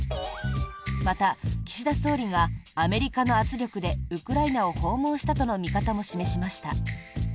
また、岸田総理がアメリカの圧力でウクライナを訪問したとの見方も示しました。